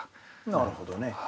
なるほどね。